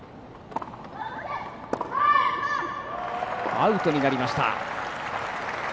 アウトになりました。